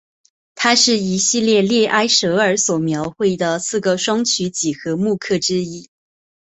它是一系列埃舍尔所描绘的四个双曲几何木刻之一。